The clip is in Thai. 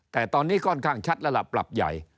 แต่ตอนนี้ค่อนข้างชัดแล้วล่ะปรับใหญ่